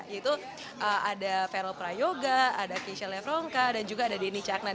yaitu ada farel prayoga ada keisha lefronka dan juga ada denny caknan